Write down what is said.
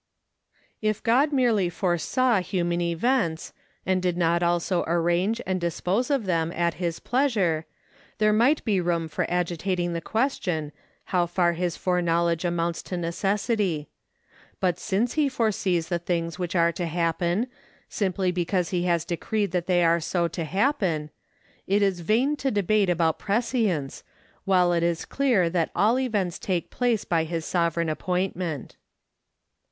If God merely foresaw human events, and did not also arrange and dispose of them at his pleasure, there might be room for agitating the question, how far his foreknowledge amounts to necessity; but since he foresees the things which are to happen, simply because he has decreed that they are so to happen, it is vain to debate about prescience, while it is clear that all events take place by his sovereign appointment.